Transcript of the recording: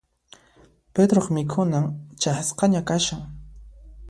Pedroq mikhunan chayasqaña kashan.